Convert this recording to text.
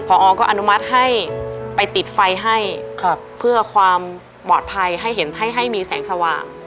พอก็อนุมัติให้ไปติดไฟให้เพื่อความปลอดภัยให้เห็นให้มีแสงสว่าง